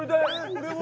俺も！